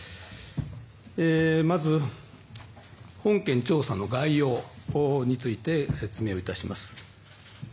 まず本件調査の概要について説明をいたします。